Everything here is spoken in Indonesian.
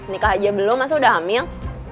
nikah aja belum masa udah hamil